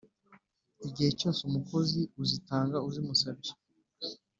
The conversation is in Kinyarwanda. igihe cyose umukozi uzitanga azimusabye.